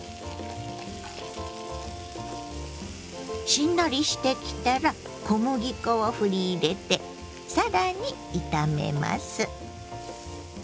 しんなりしてきたら小麦粉をふり入れて更に炒めます。